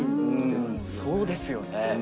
そうですよね。